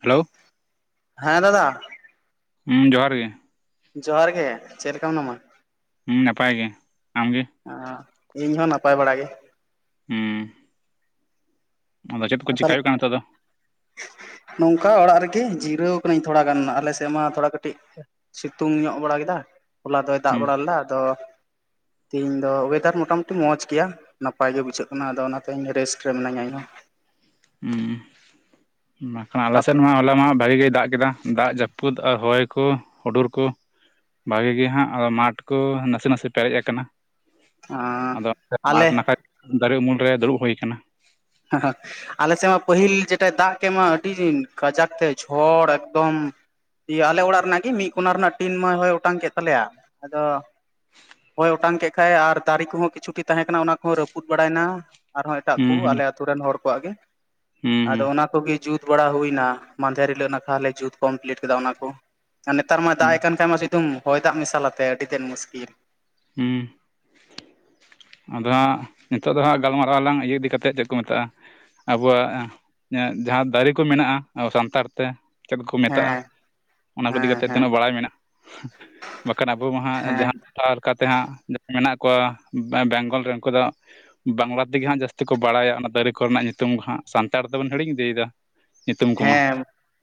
Hello. ᱦᱮᱸ ᱫᱟᱫᱟ ᱦᱩᱸ ᱡᱚᱦᱟᱨ ᱜᱮ᱾ ᱡᱚᱦᱟᱨ ᱜᱮ ᱪᱮᱫ ᱞᱮᱠᱟ ᱢᱱᱟᱢᱟ? ᱦᱮᱸ ᱱᱟᱯᱟᱭ ᱜᱮ ᱟᱢ ᱜᱮ ᱚ ᱤᱧ ᱦᱚᱸ ᱱᱟᱯᱟᱭ ᱵᱟᱲᱟ ᱜᱮ ᱦᱮᱸ᱾ ᱟᱫᱚ ᱪᱮᱫ ᱠᱚ ᱪᱮᱤᱠᱠᱟ ᱛᱟᱦᱚᱞᱮ ᱦᱩᱭᱩᱜ ᱠᱟᱱᱟ ᱱᱤᱛᱚᱜ ᱫᱚ? ᱱᱚᱝᱠᱟ ᱚᱲᱟᱜ ᱨᱮᱜᱮ ᱡᱤᱨᱟᱹᱣ ᱠᱟᱹᱹᱧ ᱛᱷᱚᱲᱟ ᱜᱟᱱ ᱟᱞᱮ ᱥᱮᱫ ᱢᱟ ᱛᱷᱚᱲᱟ ᱠᱟᱹᱴᱤᱡᱼᱼ ᱥᱤᱛᱩᱝ ᱧᱚᱜ ᱵᱟᱲᱟ ᱠᱮᱫᱟ ᱦᱚᱞᱟ ᱫᱚᱭ ᱫᱟᱜ ᱦᱩᱸ ᱵᱟᱲᱟ ᱞᱮᱫᱟ ᱟᱫᱚᱼᱼ ᱛᱮᱦᱮᱧ ᱫᱚ ᱚᱭᱮᱫᱟᱨ ᱢᱚᱴᱟ ᱢᱩᱩᱴᱤ ᱢᱚᱸᱡᱽ ᱜᱮᱭᱟ᱾ ᱱᱟᱯᱟᱭ ᱜᱮ ᱵᱩᱡᱷᱟᱹᱜ ᱠᱟᱱᱟ ᱟᱫᱚ ᱚᱱᱟᱛᱮ ᱨᱮᱥᱴ ᱨᱮ ᱢᱱᱟᱹᱧᱟ ᱤᱧᱚᱸ, ᱦ ᱵᱟᱠᱷᱟᱱ ᱟᱞᱮ ᱥᱮᱫ ᱢᱟ ᱦᱚᱞᱟ ᱢᱟ ᱵᱷᱟᱜᱤ ᱜᱮᱭ ᱫᱟᱜ ᱠᱮᱫᱟ᱾ ᱫᱟᱜ ᱡᱟᱹᱯᱩᱫ ᱟᱨ ᱦᱚᱭ ᱠᱚ ᱦᱩᱰᱩᱨ ᱠᱚ ᱵᱷᱟᱜᱮ ᱜᱮ ᱦᱟᱸᱜ ᱟᱫᱚ ᱢᱟᱴᱷ ᱠᱚ ᱱᱟᱥᱮ ᱱᱟᱥᱮ ᱯᱮᱨᱮᱡ ᱟᱠᱟᱱᱟ᱾ ᱟᱫᱚ ᱟᱞᱮ ᱢᱟᱴ [unintelligible] ᱫᱟᱨᱮ ᱩᱢᱩᱞ ᱨᱮ ᱫᱩᱲᱩᱵ ᱦᱩᱭ ᱠᱟᱱᱟ᱾ ᱦᱸ ᱦᱸ ᱟᱞᱮᱥᱮᱜ ᱢᱟ ᱯᱟᱹᱦᱤᱞ ᱡᱮᱴᱟ ᱫᱟᱜ ᱠᱮᱜ ᱢᱟ ᱟᱹᱰᱤ ᱠᱟᱡᱟᱠ ᱛᱮ ᱡᱷᱚᱲ ᱮᱠᱫᱚᱢ ᱤᱭᱟᱹ ᱟᱞᱮ ᱚᱲᱟᱜ ᱨᱮᱱᱟᱜ ᱜᱤ ᱢᱤᱜ ᱠᱚᱱᱟ ᱨᱮᱱᱟᱜ ᱴᱤᱱ ᱢᱟᱭ ᱦᱚᱭ ᱚᱴᱟᱝ ᱠᱮᱫ ᱛᱟᱞᱮᱭᱟ ᱟᱫᱚᱼᱼ ᱦᱚᱭ ᱚᱴᱟᱝ ᱠᱮᱜ ᱠᱷᱟᱡ ᱮ ᱟᱨ ᱫᱟᱨᱮ ᱠᱚᱦᱚᱸ ᱠᱤᱪᱷᱩᱴᱤ ᱛᱟᱦᱮᱸ ᱠᱟᱱᱟ ᱚᱱᱟ ᱠᱚᱦᱚᱸ ᱨᱟᱹᱯᱩᱫ ᱵᱟᱲᱟᱭᱱᱟ᱾ ᱟᱨᱦᱚᱸ ᱮᱴᱟᱜ ᱦᱩᱸ ᱠᱩ ᱦᱩᱸ ᱟᱞᱮ ᱟᱛᱳ ᱨᱮᱱ ᱦᱚᱲ ᱠᱚᱣᱟᱜ ᱜᱮ ᱟᱫᱚ ᱦᱩᱸ ᱚᱱᱟ ᱠᱚᱜᱮ᱾ ᱡᱩᱛ ᱵᱟᱲᱟ ᱦᱩᱭᱱᱟ ᱢᱟᱸᱫᱷᱮᱨ ᱦᱤᱞᱳᱜ ᱱᱟᱠᱷᱟ ᱞᱮ ᱡᱩᱛ ᱠᱚᱢᱯᱞᱤᱴ ᱠᱮᱫᱟ ᱚᱱᱟ ᱠᱚ ᱟᱨ ᱱᱮᱛᱟᱨ ᱢᱟᱭ ᱦᱩᱸ ᱫᱟᱜ ᱦᱩᱸ ᱮ ᱠᱟᱱ ᱠᱷᱟᱡ ᱢᱟ ᱥᱤᱫᱩᱢ ᱦᱚᱭ ᱫᱟᱜ ᱢᱮᱥᱟᱞᱟᱛᱮ ᱟᱹᱰᱤ ᱛᱮᱫ ᱢᱩᱥᱠᱤᱞ, ᱦᱩᱸ᱾ ᱟᱫᱚ ᱦᱟᱸᱜ ᱱᱤᱛᱚᱜ ᱫᱚ ᱦᱟᱸᱜ ᱜᱟᱞᱢᱟᱨᱟᱞᱟᱝ ᱤᱭᱟᱹ ᱤᱫᱤ ᱠᱟᱛᱮᱜ ᱪᱮᱫ ᱠᱚ ᱢᱮᱛᱟᱜᱼᱟ᱾ ᱟᱵᱚᱣᱟᱜ ᱡᱟᱦᱟᱸ ᱫᱟᱨᱮ ᱠᱚ ᱢᱮᱱᱟᱜᱼᱟ ᱟᱵᱚ ᱥᱟᱱᱛᱟᱲ ᱛᱮ ᱪᱮᱫ ᱠᱚᱠᱚ ᱢᱮᱛᱟᱜᱼᱟ? ᱦᱮᱸ ᱚᱱᱟ ᱠᱚ ᱤᱫᱤ ᱦᱮᱸ ᱠᱟᱛᱮᱫ ᱦᱮᱸ ᱛᱤᱱᱟᱹᱜ ᱵᱟᱲᱟᱭ ᱢᱮᱱᱟᱜ ᱵᱟᱠᱷᱟᱱ ᱟᱵᱚ ᱢᱟ ᱦᱟᱸᱜ ᱦᱮᱸ ᱡᱟᱦᱟᱸ ᱴᱟᱨ ᱠᱟᱛᱮ ᱦᱟᱸᱜ ᱡᱟᱦᱟᱸᱭ ᱢᱮᱱᱟᱜ ᱠᱚᱣᱟ ᱵᱮ ᱵᱮᱝᱜᱚᱞ ᱨᱮ ᱩᱱᱠᱩ ᱫᱚᱼᱼ ᱵᱟᱝᱞᱟ ᱛᱮᱜᱮ ᱦᱟᱸᱜ ᱡᱟᱹᱥᱛᱤ ᱠᱚ ᱵᱟᱲᱟᱭᱟ ᱚᱱᱟ ᱫᱟᱨᱮ ᱠᱚᱨᱮᱱᱟᱜ ᱧᱩᱛᱩᱢ ᱦᱟᱸᱜ ᱥᱟᱱᱛᱟᱲ ᱫᱚᱵᱚᱱ ᱦᱤᱲᱤᱧ ᱤᱫᱤᱭ ᱫᱟ᱾ ᱦᱮᱸ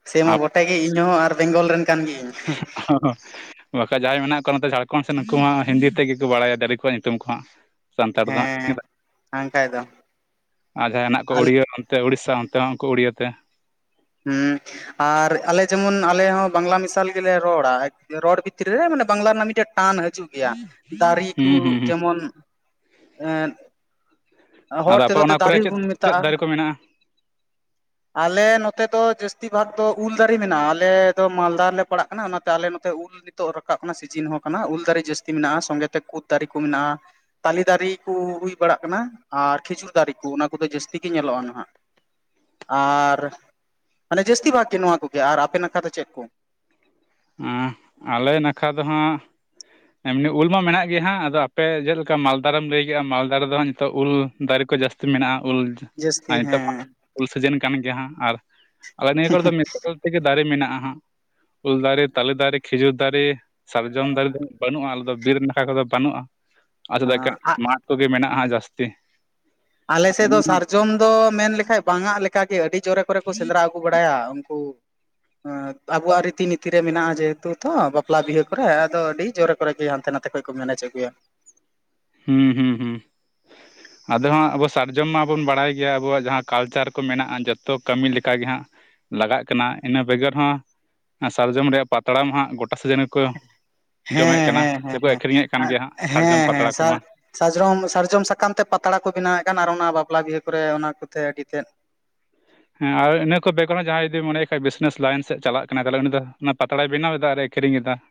ᱥᱮ ᱢᱟ ᱵᱚᱴᱮ ᱜᱮ ᱤᱧ ᱦᱚᱸ ᱟᱨ ᱵᱮᱝᱜᱚᱞ ᱨᱮᱱ ᱠᱟᱱ ᱜᱤᱭᱟᱹᱧᱼᱼ ᱚ ᱦᱸ ᱦᱸᱼᱼ ᱵᱟᱠᱷᱟᱡ ᱡᱟᱦᱟᱸᱭ ᱢᱮᱱᱟᱜ ᱠᱚᱣᱟ ᱱᱚᱛᱮ ᱡᱷᱟᱲᱠᱷᱚᱸᱰ ᱥᱮᱫ ᱱᱩᱠᱩ ᱢᱟ ᱦᱤᱱᱫᱤ ᱛᱮᱜ ᱜᱮᱠᱚ ᱵᱟᱲᱟᱭᱟ ᱫᱟᱨᱮ ᱠᱚᱣᱟᱜ ᱧᱩᱛᱩᱢ ᱠᱚ ᱦᱟᱸᱜ᱾ ᱥᱟᱱᱛᱟᱲ ᱫᱚ ᱦᱮᱸ ᱦᱟᱸᱜ ᱵᱟᱝᱠᱷᱟᱡ ᱫᱚ ᱟᱨ ᱡᱟᱦᱟ ᱦᱮᱱᱟᱜ ᱠᱚ ᱟᱞ ᱩᱲᱤᱭᱟᱹᱼᱼ ᱛᱮ ᱩᱲᱤᱥᱥᱟ ᱚᱱᱛᱮ ᱦᱚᱸ ᱩᱱᱠᱩ ᱩᱲᱤᱭᱟᱹᱛᱮ, ᱦᱩᱸ᱾ ᱟᱨ ᱟᱞᱮ ᱡᱮᱢᱚᱱ ᱟᱞᱮ ᱦᱚᱸ ᱵᱟᱝᱞᱟ ᱢᱮᱥᱟᱞ ᱜᱮᱞᱮ ᱨᱚᱲᱟ ᱨᱚᱲ ᱵᱷᱤᱛᱨᱤ ᱨᱮ ᱢᱟᱱᱮ ᱵᱟᱝᱞᱟ ᱨᱮᱱᱟᱜ ᱢᱤᱫᱴᱮᱡ ᱴᱟᱱ ᱦᱟᱹᱡᱩᱜᱼᱟ᱾ ᱜᱮᱭᱟ ᱫᱟᱨᱤ ᱠᱩ ᱦᱩᱸ ᱦᱩᱸ ᱦᱩᱸ ᱡᱮᱢᱚᱱ ᱮᱸᱼᱼ ᱦᱚᱲ ᱟᱫᱚ ᱟᱯᱮ ᱛᱮᱫᱚ ᱛᱮ ᱚᱱᱟ ᱫᱟᱨᱮ ᱠᱚᱨᱮ ᱪᱮᱫ ᱵᱩᱱ ᱪᱮᱫ ᱢᱮᱛᱟᱜᱼᱟ ᱫᱟᱨᱮ ᱠᱚ ᱢᱮᱱᱟᱜᱼᱟ ᱟᱞᱮ ᱱᱚᱛᱮ ᱫᱚ ᱡᱟᱹᱥᱛᱤ ᱵᱷᱟᱜ ᱫᱚ ᱩᱞ ᱫᱟᱨᱮ ᱢᱮᱱᱟᱜᱼᱟ ᱟᱞᱮ ᱫᱚ ᱢᱟᱞᱫᱟ ᱨᱮᱞᱮ ᱯᱟᱲᱟᱜ ᱠᱟᱱᱟ ᱚᱱᱟᱛᱮ ᱟᱞᱮ ᱱᱚᱛᱮ ᱩᱞᱼᱼ ᱱᱤᱛᱚᱜ ᱨᱟᱠᱟᱵ ᱠᱟᱱᱟ ᱥᱤᱡᱤᱱ ᱦᱚᱸ ᱠᱟᱱᱟ ᱩᱞ ᱫᱟᱨᱮ ᱡᱟᱹᱥᱛᱤ ᱢᱮᱱᱟᱜᱼᱟ ᱥᱚᱸᱜᱮᱛᱮ ᱠᱩᱫ ᱫᱟᱨᱮ ᱠᱚ ᱢᱮᱱᱟᱜᱼᱟ᱾ ᱛᱟᱞᱮ ᱫᱟᱨᱤ ᱠᱩ ᱦᱩᱭ ᱵᱟᱲᱟᱜ ᱠᱟᱱᱟ ᱟᱨ ᱠᱷᱤᱡᱩᱨ ᱫᱟᱨᱤ ᱠᱩ ᱚᱱᱟ ᱠᱚᱫᱚ ᱡᱟᱹᱥᱛᱤ ᱜᱮ ᱧᱮᱞᱚᱜᱼᱟ ᱱᱟᱦᱟᱜᱼᱼ ᱟᱨ ᱢᱟᱱᱮ ᱡᱟᱹᱥᱛᱤ ᱵᱷᱟᱜᱽ ᱜᱮ ᱱᱚᱣᱟ ᱠᱚᱜᱮ ᱟᱨ ᱟᱯᱮ ᱱᱟᱠᱷᱟ ᱫᱚ ᱪᱮᱫ ᱠᱚ? ᱦᱮᱸᱻ ᱟᱞᱮ ᱱᱟᱠᱷᱟ ᱫᱚ ᱦᱟᱸᱜᱼᱼ ᱮᱢᱱᱤ ᱩᱞ ᱢᱟ ᱢᱮᱱᱟᱜ ᱜᱮᱭᱟ ᱦᱟᱸᱜ ᱟᱫᱚ ᱟᱯᱮ ᱡᱮᱞᱠᱟ ᱢᱟᱞᱫᱟᱨᱮᱢ ᱞᱟᱹᱭ ᱠᱮᱜᱼᱟ ᱢᱟᱞᱫᱟ ᱨᱮᱫᱚ ᱦᱟᱸᱜ ᱱᱤᱛᱚᱜ ᱩᱞ ᱫᱟᱨᱮ ᱠᱚ ᱡᱟᱹᱥᱛᱤᱼᱼ ᱢᱮᱱᱟᱜᱼᱟ ᱚᱞ ᱡᱟᱹᱥᱛᱤ ᱟᱨ ᱱᱤᱛᱳ ᱢᱟ ᱦᱮᱸ ᱩᱞ ᱥᱤᱡᱤᱱ ᱠᱟᱱ ᱜᱮᱭᱟ ᱦᱟᱸᱜ ᱟᱨ ᱟᱞᱮ ᱱᱤᱭᱟᱹ ᱠᱚᱨᱮ ᱫᱚ ᱼᱼ ᱛᱮᱜᱮ ᱫᱟᱨᱮ ᱢᱮᱱᱟᱜᱼᱟ ᱦᱟᱸᱜ, ᱩᱞ ᱫᱟᱨᱮ, ᱛᱟᱞᱮ ᱫᱟᱨᱮ, ᱠᱷᱤᱡᱩᱨ ᱫᱟᱨᱮ ᱾ ᱥᱟᱨᱡᱚᱢ ᱫᱟᱨᱮ ᱫᱚ [unintelligible] ᱵᱟᱹᱱᱩᱜᱼᱟ ᱟᱞᱮ ᱫᱚ ᱵᱤᱨ ᱱᱟᱠᱷᱟ ᱠᱚᱫᱚ ᱵᱟᱹᱱᱩᱜᱼᱟ ᱟᱪᱪᱷᱟ [unintelligible] ᱠᱟᱸᱡ ᱟᱞᱮ ᱢᱟᱴ ᱠᱚᱜᱮ ᱢᱮᱱᱟᱜ ᱦᱟᱸᱜ ᱡᱟᱹᱥᱛᱤ ᱾ ᱟᱞᱮ ᱥᱮᱫ ᱫᱚ ᱥᱟᱨᱡᱚᱢ ᱫᱚ ᱢᱮᱱ ᱞᱮᱠᱷᱟᱡ ᱵᱟᱝᱟᱜ ᱞᱮᱠᱟ ᱜᱮ ᱟᱹᱰᱤ ᱡᱳᱨᱮ ᱠᱚᱨᱮ ᱠᱚ ᱥᱮᱸᱫᱽᱨᱟ ᱟᱹᱜᱩ ᱠᱚ ᱵᱟᱲᱟᱭᱟ ᱩᱱᱠᱩ ᱾ ᱟᱵᱩᱣᱟᱜ ᱨᱤᱛᱤ ᱱᱤᱛᱤ ᱨᱮ ᱢᱮᱱᱟᱜᱼᱟ ᱡᱮᱦᱮᱛᱩ ᱛᱚ ᱵᱟᱯᱞᱟ ᱵᱤᱦᱟᱹ ᱠᱚᱨᱮ ᱟᱫᱚ ᱟᱹᱰᱤ ᱡᱳᱨᱮ ᱠᱚᱨᱮ ᱜᱮ ᱦᱟᱱᱛᱮ ᱱᱟᱛᱮ ᱠᱷᱚᱡ ᱠᱚ ᱢᱮᱱᱮᱡ ᱟᱹᱜᱩᱭᱟ ᱾ ᱦᱩᱸ ᱦᱩᱸ ᱦᱩᱸ ᱾ ᱟᱫᱚ ᱦᱟᱸᱜ ᱟᱵᱚ ᱥᱟᱨᱡᱚᱢ ᱢᱟᱵᱚᱱ ᱵᱟᱲᱟᱭ ᱜᱮᱭᱟ ᱟᱵᱚᱣᱟᱜ ᱡᱟᱦᱟᱸ ᱠᱟᱞᱪᱟᱨ ᱠᱚ ᱢᱮᱱᱟᱜᱼᱟ ᱡᱚᱛᱚ ᱠᱟᱹᱢᱤ ᱞᱮᱠᱟ ᱜᱮ ᱦᱟᱸᱜ ᱞᱟᱜᱟᱜ ᱠᱟᱱᱟ ᱤᱱᱟᱹ ᱵᱮᱜᱚᱨ ᱦᱚᱸ ᱥᱟᱨᱡᱚᱢ ᱨᱮᱭᱟᱜ ᱯᱟᱛᱲᱟ ᱢᱟ ᱦᱟᱸᱜ ᱜᱚᱴᱟ ᱥᱤᱡᱤᱱ ᱜᱮᱠᱚ ᱡᱚᱢᱮᱫ ᱦᱮᱸ ᱠᱟᱱᱟ ᱦᱮᱸ ᱦᱮᱸ ᱥᱮᱠᱚ ᱦᱮᱸ, ᱟᱹᱠᱷᱨᱤᱧᱮᱫ ᱠᱟᱱ ᱟᱨ ᱜᱮᱭᱟ ᱦᱟᱸᱜ ᱥᱟᱨᱡᱚᱢ ᱦᱮᱸ ᱦᱮᱸ ᱯᱟᱛᱲᱟ ᱥᱟᱜ ᱠᱚᱢᱟ ᱥᱟᱡᱽᱨᱚᱢ ᱥᱟᱨᱡᱚᱢ ᱥᱟᱠᱟᱢ ᱛᱮ ᱯᱟᱛᱲᱟ ᱠᱚ ᱵᱮᱱᱟᱣᱮᱜ ᱠᱟᱱ, ᱟᱨ ᱚᱱᱟ ᱵᱟᱯᱞᱟ ᱵᱤᱦᱟᱹ ᱠᱚᱨᱮ ᱚᱱᱟ ᱠᱚᱛᱮ ᱟᱹᱰᱤ ᱛᱮᱫ ᱾ ᱦᱮᱸ ᱟᱨ ᱤᱱᱟᱹ ᱠᱚ ᱵᱮᱜᱚᱨ ᱦᱚᱸ ᱡᱟᱦᱟᱸᱭ ᱡᱩᱫᱤ ᱢᱚᱱᱮᱭ ᱠᱷᱟᱡ ᱵᱤᱥᱱᱮᱥ ᱞᱟᱭᱤᱱ ᱥᱮᱜ ᱪᱟᱞᱟᱜ ᱠᱟᱱᱟᱭ ᱛᱟᱦᱚᱞᱮ ᱩᱱᱤ ᱫᱚ ᱚᱱᱟ ᱯᱟᱛᱲᱟᱭ ᱵᱮᱱᱟᱣ ᱮᱫᱟ ᱟᱨ ᱮ ᱟᱹᱠᱷᱨᱤᱧ ᱮᱫᱟ ᱾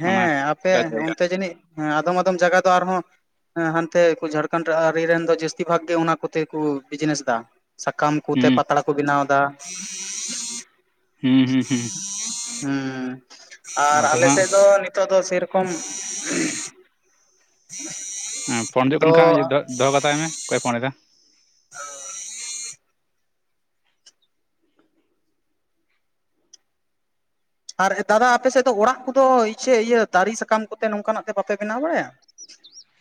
ᱦᱮᱸ ᱟᱯᱮ ᱚᱱᱛᱮ ᱡᱟᱹᱱᱤᱡ ᱟᱫᱚᱢ ᱟᱫᱚᱢ ᱡᱟᱜᱟ ᱫᱚ ᱟᱨᱦᱚᱸ ᱦᱟᱱᱛᱮ ᱠᱩ ᱡᱷᱟᱲᱠᱷᱚᱱᱰ ᱟᱨᱤ ᱨᱮᱱ ᱫᱚ ᱡᱟᱹᱥᱛᱤ ᱵᱷᱟᱜ ᱜᱮ ᱚᱱᱟ ᱠᱚᱛᱮ ᱠᱩ ᱵᱤᱡᱽᱱᱮᱥ ᱫᱟ ᱥᱟᱠᱟᱢ, ᱠᱩᱛᱮ ᱦᱩᱸ ᱯᱟᱛᱲᱟ ᱠᱚ ᱵᱮᱱᱟᱣᱫᱟ ᱦᱩᱸ ᱦᱩᱸ ᱦᱩᱸ ᱾ ᱦᱩᱸ ᱟᱨ ᱟᱫᱚ ᱟᱞᱮ ᱥᱮᱫ ᱫᱚ ᱱᱤᱛᱚᱜ ᱫᱚ ᱥᱮᱨᱚᱠᱚᱢ ᱦᱮᱸ ᱯᱷᱳᱱ ᱡᱩᱜ ᱠᱟᱱ ᱠᱷᱟᱡ ᱫᱚ ᱫᱚᱦᱚ ᱠᱟᱛᱟᱭ ᱢᱮ ᱚᱠᱚᱭᱮ ᱯᱷᱳᱱ ᱮᱫᱟ ᱾ ᱚ [inaudible] ᱟᱨ ᱫᱟᱫᱟ ᱟᱯᱮ ᱥᱮᱫ ᱫᱚ ᱚᱲᱟᱜ ᱠᱚᱫᱚ ᱤᱪᱷᱟ ᱤᱭᱟᱹ ᱫᱟᱨᱮ ᱥᱟᱠᱟᱢ ᱠᱚᱛᱮ ᱱᱚᱝᱠᱟᱱᱟᱜ ᱛᱮ ᱵᱟᱯᱮ ᱵᱮᱱᱟᱣ ᱵᱟᱲᱟᱭᱟ?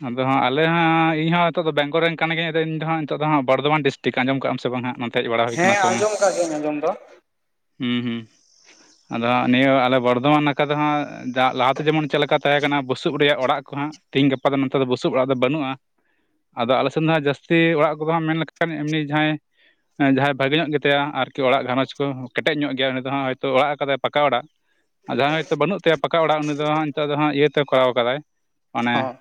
ᱟᱫᱚ ᱦᱟᱜ ᱟᱞᱮ ᱦᱚᱸ ᱤᱧ ᱦᱚᱸ ᱱᱤᱛᱚᱜ ᱫᱚ ᱵᱮᱝᱜᱚᱞ ᱨᱮᱱ ᱠᱟᱱ ᱜᱤᱭᱟᱹᱧ ᱟᱫᱚ ᱤᱧ ᱫᱚ ᱦᱟᱸᱜ ᱱᱤᱛᱚᱜ ᱫᱚ ᱦᱟᱸᱜ ᱵᱚᱨᱫᱷᱚᱢᱟᱱ ᱰᱤᱥᱴᱤᱴ ᱟᱸᱡᱚᱢ ᱠᱟᱜᱼᱟ ᱥᱮ ᱵᱟᱝ ᱦᱟᱸᱜ? ᱦᱮᱡ ᱵᱟᱲᱟ ᱦᱩᱭ ᱠᱟᱱᱟ ᱦᱮᱸ ᱥᱮ ᱵᱟᱝᱟ ᱟᱸᱡᱚᱢ ᱟᱠᱟᱫ ᱜᱤᱭᱟᱹᱧ ᱟᱸᱡᱚᱢ ᱫᱚ ᱾ ᱦᱩᱸ ᱦᱩᱸ ᱾ ᱟᱫᱚ ᱦᱟᱸᱜ ᱱᱤᱭᱟᱹ ᱟᱞᱮ ᱵᱚᱨᱫᱷᱚᱢᱟᱱ ᱱᱟᱠᱷᱟ ᱫᱚ ᱦᱟᱸᱜ ᱫᱟᱜ ᱞᱟᱦᱟᱛᱮ ᱡᱮᱢᱚᱱ ᱪᱮᱫ ᱞᱮᱠᱟ ᱛᱟᱦᱮᱸ ᱠᱟᱱᱟ ᱵᱩᱥᱩᱵ ᱨᱮᱭᱟᱜ ᱚᱲᱟᱜ ᱠᱚ ᱦᱟᱜ ᱛᱮᱦᱤᱧ ᱜᱟᱯᱟ ᱫᱚ ᱱᱚᱛᱮ ᱫᱚ ᱵᱩᱥᱩᱵ ᱚᱲᱟᱜ ᱫᱚ ᱵᱟᱹᱱᱩᱜᱼᱟ ᱾ ᱟᱫᱚ ᱟᱞᱮ ᱥᱮᱱ ᱫᱚ ᱦᱟᱸᱜ ᱡᱟᱹᱥᱛᱤ ᱚᱲᱟᱜ ᱠᱚᱫᱚ ᱢᱮᱱ ᱞᱮᱠᱷᱟᱱ ᱮᱢᱱᱤ ᱡᱟᱦᱟᱭ ᱡᱟᱦᱟᱭ ᱵᱷᱟᱜᱮ ᱧᱚᱜ ᱜᱮ ᱛᱮᱭᱟ ᱟᱨᱠᱤ ᱚᱲᱟᱜ ᱜᱷᱟᱨᱚᱸᱡᱽ ᱠᱚ ᱠᱮᱴᱮᱡ ᱧᱚᱜ ᱜᱮᱭᱟ ᱩᱱᱤ ᱫᱚᱦ ᱦᱚᱭᱛᱳ ᱚᱲᱟᱜ ᱟᱠᱟᱫᱟᱭ ᱯᱟᱠᱟ ᱚᱲᱟᱜ ᱾ ᱟᱨ ᱡᱟᱦᱟᱸᱭ ᱦᱚᱳᱭᱛᱳ ᱵᱟᱹᱱᱩᱜ ᱛᱟᱭᱟ ᱯᱟᱠᱟ ᱚᱲᱟᱜ ᱩᱱᱤ ᱫᱚ ᱦᱟᱸᱜ ᱱᱤᱛᱚᱜ ᱫᱚ ᱦᱟᱸᱜ ᱤᱭᱟᱹ ᱛᱮ ᱠᱚᱨᱟᱣ ᱠᱟᱫᱟᱭ ᱢᱟᱱᱮ ᱦᱚᱸ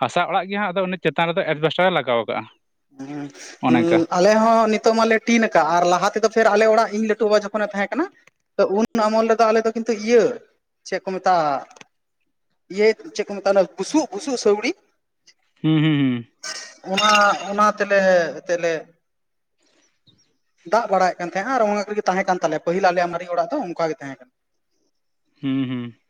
ᱦᱟᱥᱟ ᱚᱲᱟᱜ ᱜᱮ ᱦᱟᱸᱜ, ᱟᱫᱚ ᱩᱱᱤ ᱪᱮᱛᱟᱱ ᱨᱮᱫᱚ ᱮᱥᱵᱮᱥᱴᱟᱨ ᱮ ᱞᱟᱜᱟᱣ ᱠᱟᱜᱼᱟ ᱾ [inaudible] ᱦᱩᱸ ᱦᱩᱸ ᱟᱞᱮ ᱦᱚᱸ ᱱᱤᱛᱚᱜ ᱢᱟᱞᱮ ᱴᱤᱱ ᱟᱠᱟᱫ ᱟᱨ ᱞᱟᱦᱟ ᱛᱮᱫᱚ ᱯᱷᱮᱨ ᱟᱞᱮ ᱚᱲᱟᱜ ᱤᱧ ᱞᱟᱹᱴᱩ ᱵᱟᱵᱟ ᱡᱚᱠᱷᱚᱱᱮ ᱛᱟᱦᱮᱸ ᱠᱟᱱᱟ ᱛᱚ ᱩᱱ ᱟᱢᱚᱞ ᱨᱮᱫᱚ ᱟᱞᱮ ᱫᱚ ᱠᱤᱱᱛᱩ ᱤᱭᱟᱹ ᱪᱮᱫ ᱠᱚ ᱢᱮᱛᱟᱜᱼᱟ? ᱤᱭᱟᱹ ᱪᱮᱫ ᱠᱚ ᱢᱮᱛᱟ ᱵᱩᱥᱩᱜ ᱵᱩᱥᱩᱜ ᱥᱟᱹᱣᱲᱤ ᱾ ᱦᱩᱸ ᱦᱩᱸ ᱦᱩᱸ ᱾ ᱚᱱᱟ ᱚᱱᱟ ᱛᱮᱞᱮ, ᱛᱮᱞᱮ ᱫᱟᱜ ᱵᱟᱲᱟᱭᱮᱫ ᱠᱟᱱ ᱛᱟᱦᱮᱜᱼᱟ ᱟᱨ ᱚᱱᱟ ᱠᱚᱨᱮ ᱜᱮ ᱛᱟᱦᱮᱸ ᱠᱟᱱ ᱛᱟᱞᱮᱭᱟ ᱯᱟᱹᱦᱤᱞ ᱟᱞᱮ ᱢᱟᱨᱮ ᱚᱲᱟᱜ ᱫᱚ ᱚᱱᱠᱟ ᱜᱮ ᱛᱟᱦᱮᱸ ᱠᱟᱱᱟ ᱾ ᱦᱮᱸ ᱦᱩᱸ ᱾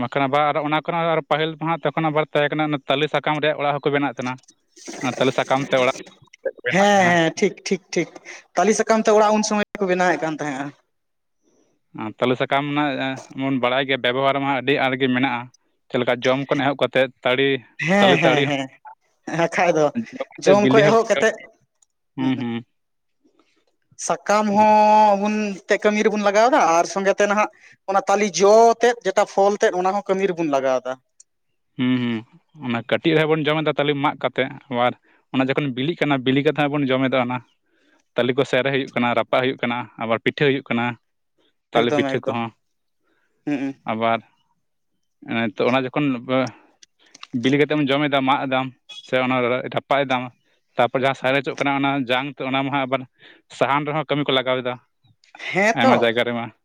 ᱵᱟᱠᱷᱟᱱ ᱟᱵᱟᱨ ᱟᱨ ᱚᱱᱟ ᱠᱷᱚᱱᱟᱜ ᱟᱨ ᱯᱟᱹᱦᱤᱞ ᱢᱟ ᱦᱟᱸᱜ ᱛᱚᱠᱷᱚᱱ ᱟᱵᱟᱨ ᱛᱟᱦᱮᱸ ᱠᱟᱱᱟ ᱟᱱᱟ ᱛᱟᱹᱞᱮ ᱥᱟᱠᱟᱢ ᱨᱮᱭᱟᱜ ᱚᱲᱟᱜ ᱦᱚᱸᱠᱚ ᱵᱮᱱᱟᱣᱮᱜ ᱛᱟᱦᱮᱱᱟ ᱾ ᱛᱟᱞᱮ ᱥᱟᱠᱟᱢ ᱛᱮ ᱚᱲᱟᱜ [unintelligible] ᱵᱮᱱᱟᱣᱮᱜ ᱦᱮᱸ ᱛᱟᱦᱮᱱᱟ ᱾ ᱦᱮᱸ ᱴᱷᱤᱠ ᱴᱷᱤᱠ ᱴᱷᱤᱠ ᱛᱟᱞᱮ ᱥᱟᱠᱟᱢ ᱛᱮ ᱚᱲᱟᱜ ᱩᱱ ᱥᱚᱢᱚᱭ ᱨᱮᱠᱚ ᱵᱮᱱᱟᱣᱮᱫ ᱠᱟᱱ ᱛᱟᱦᱮᱸᱜᱼᱟ ᱾ ᱛᱟᱞᱮ ᱥᱟᱠᱟᱢ ᱢᱟ ᱵᱚᱱ ᱵᱟᱲᱟᱭ ᱜᱮᱭᱟ ᱵᱮᱵᱚᱦᱟᱨ ᱢᱟ ᱟᱹᱰᱤ ᱟᱸᱴ ᱜᱮ ᱢᱮᱱᱟᱜᱼᱟ ᱾ ᱪᱮᱫ ᱞᱮᱠᱟ ᱡᱚᱢ ᱠᱷᱚᱱ ᱮᱦᱚᱵ ᱠᱟᱛᱮᱫ ᱛᱟᱲᱤ ᱛᱟᱞᱮ ᱦᱮᱸ ᱛᱟᱲᱤ ᱦᱮᱸ ᱦᱮᱸ, ᱟᱠᱷᱟᱡ ᱫᱚ ᱠᱟᱛᱮᱫ ᱡᱚᱢ ᱵᱤᱞᱤ ᱠᱷᱚᱡ ᱮᱦᱚᱜ ᱦᱚᱸᱵᱚᱱ ᱡᱚᱢ ᱠᱟᱛᱮᱫ ᱦᱩᱸ ᱦᱩᱸ ᱾ ᱥᱟᱠᱟᱢ ᱦᱚᱸᱵᱚᱱ ᱛᱮ ᱠᱟᱹᱢᱤ ᱨᱮᱵᱚᱱ ᱮᱛᱮ ᱞᱟᱜᱟᱣᱫᱟ ᱟᱨ ᱥᱚᱸᱜᱮ ᱛᱮ ᱱᱟᱦᱟᱜ ᱚᱱᱟ ᱛᱟᱞᱤ ᱡᱚ ᱛᱮᱫ ᱡᱮᱴᱟ ᱯᱷᱚᱞ ᱛᱮᱫ ᱚᱱᱟ ᱦᱚ ᱠᱟᱹᱢᱤ ᱨᱮᱵᱚᱱ ᱞᱟᱜᱟᱣ ᱮᱫᱟ ᱾ ᱦᱩᱸ ᱦᱩᱸ [inaudible] ᱚᱱᱟ ᱠᱟᱹᱴᱤᱡ ᱨᱮᱦᱚᱸ ᱵᱚᱱ ᱡᱚᱢᱮᱫᱟ ᱛᱟᱞᱮ ᱢᱟᱜ ᱠᱟᱛᱮᱫ, ᱟᱵᱟᱨ ᱚᱱᱟ ᱡᱚᱠᱷᱚᱱ ᱵᱤᱞᱤᱜ ᱠᱟᱱᱟ ᱵᱤᱞᱤ ᱠᱟᱛᱮᱜ ᱦᱚᱸ ᱵᱚᱱ ᱡᱚᱢᱮᱫᱟ ᱚᱱᱟ ᱾ ᱛᱟᱞᱮ ᱠᱚᱥᱮᱹ ᱨᱮ ᱦᱩᱭᱩᱜ ᱠᱟᱱᱟ ᱨᱟᱯᱟᱜ ᱦᱩᱭᱩᱜ ᱠᱟᱱᱟ ᱟᱵᱟᱨ ᱯᱤᱴᱷᱟᱹ ᱦᱩᱭᱩᱜ ᱠᱟᱱᱟ᱾ ᱛᱟᱞᱮ ᱮᱠᱫᱚᱢ ᱯᱤᱴᱷᱟᱹ ᱮᱠᱫᱚᱢ ᱠᱚᱦᱚᱸ ᱦᱩᱸ ᱟᱵᱟᱨ ᱚᱱᱮ ᱛᱚ ᱡᱚᱠᱷᱚᱱ ᱵᱤᱞᱤ ᱠᱟᱛᱮᱢ ᱡᱚᱢ ᱮᱫᱟᱢ ᱢᱟᱜ ᱮᱫᱟᱢ ᱥᱮ ᱚᱱᱟ ᱨᱟᱯᱟᱜ ᱮᱫᱟᱢ ᱛᱟᱨᱯᱚᱨ ᱡᱟᱦᱟᱸ ᱥᱟᱨᱮ ᱡᱚᱜ ᱠᱟᱱᱟ ᱚᱱᱟ ᱡᱟᱝ ᱛᱮ ᱚᱱᱟ ᱢᱟᱦᱟᱜ ᱟᱵᱟᱨ ᱥᱟᱦᱟᱱ ᱨᱮᱦᱚᱸ ᱠᱟᱹᱢᱤ ᱠᱚ ᱞᱟᱜᱟᱣᱮᱫᱟ᱾ ᱦᱮᱸ ᱛᱚ᱾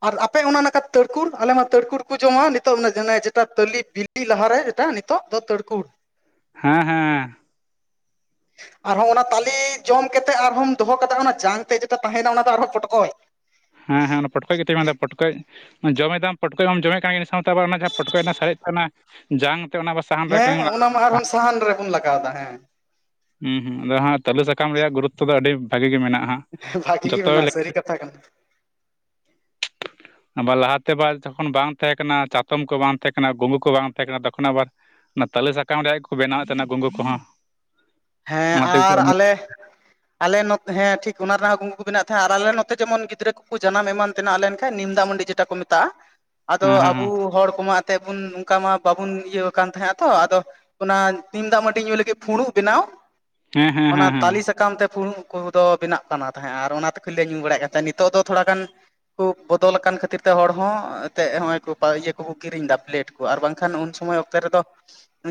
ᱟᱨ ᱟᱯᱮ ᱚᱱᱟ ᱱᱟᱠᱟ ᱛᱟᱹᱲᱠᱩᱲ ᱟᱞᱮ ᱢᱟ ᱛᱟᱹᱲᱠᱩᱲ ᱠᱚ ᱡᱚᱢᱟ ᱱᱤᱛᱚᱜ ᱢᱟᱱᱮ ᱡᱮᱴᱟ ᱛᱟᱞᱤ ᱵᱤ ᱞᱤᱫ ᱞᱟᱦᱟ ᱨᱮ ᱮᱴᱟ ᱱᱤᱛᱚᱜ ᱫᱚ ᱛᱟᱹᱲᱠᱩᱲ ᱦᱮᱸ ᱦᱮᱸ᱾ ᱟᱨᱦᱚᱸ ᱚᱱᱟ ᱛᱟᱞᱮ ᱡᱚᱢ ᱠᱟᱛᱮ ᱟᱨᱦᱚᱢ ᱫᱚᱦᱚ ᱠᱟᱫᱟ ᱚᱱᱟ ᱡᱟᱝ ᱛᱮ ᱡᱮᱴᱟ ᱛᱟᱦᱮᱱᱟ ᱚᱱᱟ ᱫᱚ ᱟᱨᱦᱚᱸ ᱯᱚᱴᱠᱚᱡ ᱦᱮᱸ ᱦᱮᱸ ᱯᱚᱴᱠᱚᱡ ᱜᱮᱛᱚᱧ ᱢᱮᱱ ᱮᱫᱟ ᱯᱚᱴᱠᱚᱡ ᱡᱚᱢᱮᱫᱟᱢ ᱯᱚᱴᱠᱚᱡ ᱢᱟᱢ ᱡᱚᱢᱮᱫ ᱠᱟᱱ ᱜᱮ ᱤᱱᱟᱹ ᱥᱟᱶᱛᱮ ᱟᱵᱟᱨ ᱚᱱᱟ ᱡᱟᱦᱟᱸ ᱯᱚᱴᱠᱚᱡ ᱮᱱᱟ ᱥᱟᱨᱮᱡ ᱛᱟᱦᱮᱱᱟ ᱡᱟᱝᱛᱮ ᱚᱱᱟ ᱵᱟ ᱥᱟᱦᱟᱱ ᱨᱮ ᱦᱮᱸ ᱠᱟᱹᱢᱤ [inaudible] ᱞᱟᱜ ᱚᱱᱟ ᱟᱨᱦᱚᱸ ᱥᱟᱦᱟᱱ ᱨᱮᱵᱚᱱ ᱞᱟᱜᱟᱣ ᱫᱟ ᱦᱮᱸ ᱦᱩᱸ ᱦᱩᱸ ᱟᱫᱚ ᱦᱟᱸᱜ ᱛᱟᱹᱞᱩ ᱥᱟᱠᱟᱢ ᱨᱮᱭᱟᱜ ᱜᱩᱨᱩᱛᱚ ᱫᱚ ᱟᱹᱰᱤ ᱵᱷᱟᱹᱜᱤ ᱜᱮ ᱢᱮᱱᱟᱜᱼᱟ ᱦᱟᱸᱜ ᱵᱷᱟᱜᱤ ᱜᱤ ᱡᱚᱛᱚ ᱢᱮᱱᱟᱜᱼᱟ ᱥᱟᱹᱨᱤ ᱠᱟᱛᱷᱟ ᱠᱟᱱᱟ᱾ ᱟᱵᱟᱨ ᱞᱟᱦᱟ ᱛᱮ ᱟᱵᱟᱨ ᱡᱚᱠᱷᱚᱱ ᱵᱟᱝ ᱛᱟᱦᱮᱸ ᱠᱟᱱᱟ ᱪᱟᱛᱚᱢ ᱠᱚ ᱵᱟᱝ ᱛᱟᱦᱮᱸ ᱠᱟᱱᱟ ᱜᱩᱢᱵᱩ ᱠᱚ ᱵᱟᱝ ᱛᱟᱦᱮᱸ ᱠᱟᱱᱟ ᱛᱚᱠᱷᱚᱱ ᱟᱵᱟᱨ ᱚᱱᱟ ᱛᱟᱞᱮ ᱥᱟᱠᱟᱢ ᱨᱮᱭᱟᱜ ᱜᱮᱠᱚ ᱵᱮᱱᱟᱣᱮᱫ ᱛᱟᱦᱮᱱᱟ ᱜᱩᱝᱜᱩ ᱠᱚᱦᱚᱸ᱾ ᱦᱮᱸ ᱚᱱᱟ ᱛᱮᱜᱮ ᱠᱚ ᱟᱨ ᱦᱮᱸ ᱟᱞᱮ ᱟᱞᱮ ᱱᱚᱛ ᱦᱮᱸ ᱴᱷᱤᱠ ᱚᱱᱟ ᱨᱮᱱᱟᱜ ᱦᱚ ᱠᱩᱝᱜᱩ ᱠᱚ ᱵᱮᱱᱟᱣ ᱦᱮᱸ ᱟᱨ ᱟᱞᱮ ᱱᱚᱛᱮ ᱡᱮᱢᱚᱱ ᱜᱤᱫᱽᱨᱟᱹ ᱠᱚᱠᱚ ᱡᱟᱱᱟᱢ ᱮᱢᱟᱱ ᱛᱮᱱᱟᱜ ᱞᱮᱱᱠᱷᱟᱱ ᱱᱤᱢᱫᱟᱜ ᱢᱟᱹᱰᱤ ᱡᱮᱴᱟ ᱠᱚ ᱢᱮᱛᱟᱜ-ᱟ ᱾ ᱟᱫᱚ ᱦᱮᱸ ᱟᱵᱩ ᱦᱚᱲ ᱠᱚᱢᱟ ᱛᱮ ᱵᱚᱱ ᱚᱱᱠᱟ ᱢᱟ ᱵᱟᱵᱚᱱ ᱤᱭᱟᱹ ᱠᱟᱱ ᱛᱟᱦᱮᱸᱜ-ᱟ ᱛᱚ ᱟᱫᱚ ᱚᱱᱟ ᱱᱤᱢ ᱫᱟᱜ ᱢᱟᱹᱰᱤ ᱧᱩᱭ ᱞᱟᱹᱜᱤᱫ ᱯᱷᱩᱲᱩᱜ ᱾ ᱵᱮᱱᱟᱣ ᱦᱮᱸ ᱦᱮᱸ ᱚᱱᱟ ᱦᱮᱸ ᱦᱮᱸ ᱛᱟᱞᱮ ᱥᱟᱠᱟᱢ ᱛᱮ ᱯᱷᱩᱲᱩᱜ ᱾ ᱩᱱᱠᱩ ᱫᱚ ᱵᱮᱱᱟᱜ ᱠᱟᱱᱟ ᱛᱟᱦᱮᱸᱫ ᱟᱨ ᱚᱱᱟ ᱛᱮ ᱠᱷᱟᱹᱡ ᱞᱮ ᱧᱩ ᱵᱟᱲᱟᱭᱮᱫ ᱠᱟᱱ ᱛᱟᱦᱮᱸᱫ ᱱᱤᱛᱚᱜ ᱫᱚ ᱛᱷᱚᱲᱟ ᱜᱟᱱ ᱦᱚᱲ ᱠᱚ ᱵᱚᱫᱚᱞ ᱟᱠᱟᱱ ᱠᱷᱟᱹᱛᱤᱨ ᱛᱮ ᱦᱚᱲ ᱦᱚᱸ ᱚᱸ ᱛᱮ ᱦᱚᱜᱼᱚᱭ ᱠᱚ ᱤᱭᱟᱹ ᱠᱚᱠᱚ ᱠᱤᱨᱤᱧ ᱮᱫᱟ ᱯᱮᱞᱮᱴ ᱠᱚ ᱾ ᱟᱨ ᱵᱟᱝᱠᱷᱟᱱ ᱩᱱ ᱥᱚᱢᱚᱭ ᱚᱠᱛᱮ ᱨᱮᱫᱚ